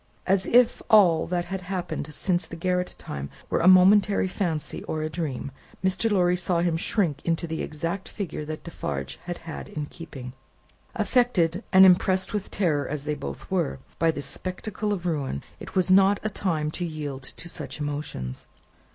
As if all that had happened since the garret time were a momentary fancy, or a dream, Mr. Lorry saw him shrink into the exact figure that Defarge had had in keeping. Affected, and impressed with terror as they both were, by this spectacle of ruin, it was not a time to yield to such emotions.